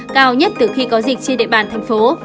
cao nhất từ khi có dịch trên địa bàn thành phố